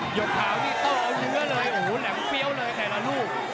หยกขาวนี้โต่เอาเยอะเลยโหแหลมเตี้ยวเลยแต่ละลูบ